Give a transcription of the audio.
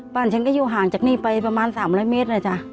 ฉันก็อยู่ห่างจากนี่ไปประมาณ๓๐๐เมตรเลยจ้ะ